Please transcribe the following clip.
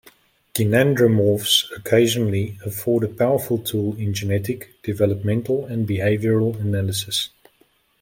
Gynandromorphs occasionally afford a powerful tool in genetic, developmental, and behavioral analyses.